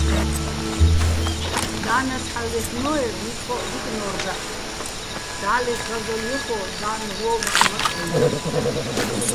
ნა́ნას ჰ̦ალო̆ ლაჲხნო́ერ, ნიწყოჸ ჲიკნო́რ დაჰ̦, და́ლეხ ღაზოლ ჲეხო́, და́ლნ ვო́მაჸ მაკ-ა́ჲნო̆.